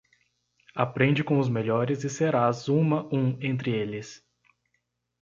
aprende com os melhores e serás uma um entre eles.